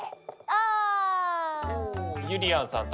おゆりやんさん